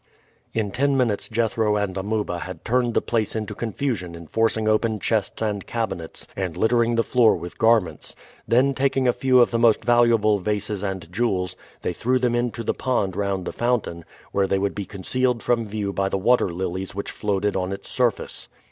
In ten minutes Jethro and Amuba had turned the place into confusion in forcing open chests and cabinets and littering the floor with garments; then taking a few of the most valuable vases and jewels they threw them into the pond round the fountain, where they would be concealed from view by the water lilies which floated on its surface.